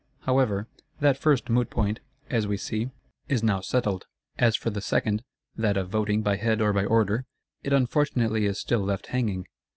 However, that first moot point, as we see, is now settled. As for the second, that of voting by Head or by Order, it unfortunately is still left hanging.